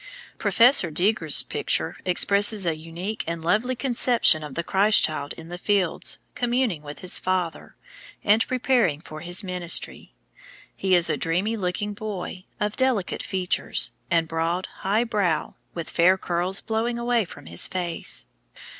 Professor Deger's picture expresses a unique and lovely conception of the Christ child in the fields, communing with his Father, and preparing for his ministry. He is a dreamy looking boy, of delicate features, and broad, high brow, with fair curls blowing away from his face.